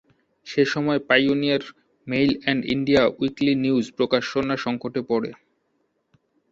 সে সময়ে "Pioneer Mail and India Weekly News" প্রকাশনা-সংকটে পরে।